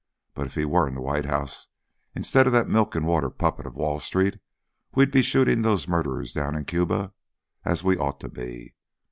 But if he were in the White House instead of that milk and water puppet of Wall Street, we'd be shooting those murderers down in Cuba as we ought to be.